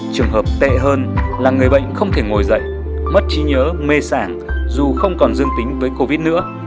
trường hợp tệ hơn là người bệnh không thể ngồi dậy mất trí nhớ mê sản dù không còn dương tính với covid nữa